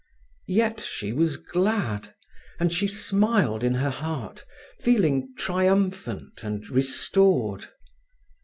Yet she was glad, and she smiled in her heart, feeling triumphant and restored.